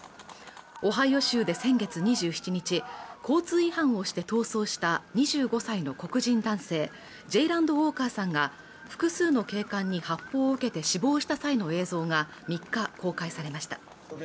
オハイオ州で先月２７日交通違反をして逃走した２５歳の黒人男性ジェラインド・ウォーカーさんが複数の警官に発砲を受けて死亡した際の映像が３日公開されました